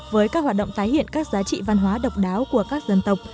với các hoạt động tái hiện các giá trị văn hóa độc đáo của các dân tộc